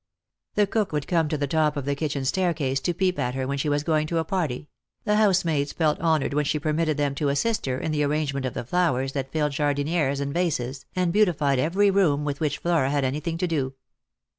The cook would come to the top of the kitchen staircase to peep at her when she was going to a party ; the housemaids felt honoured when she permitted them to assist her in the arrangement of the flowers that filled jardinieres and vases, and beautified every room with which Flora had anything to do.